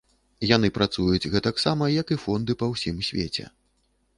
Яны працуюць гэтаксама, як і фонды па ўсім свеце.